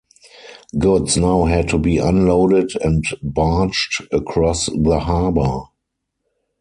Goods now had to be unloaded and barged across the harbor.